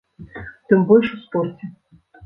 Тым больш у спорце.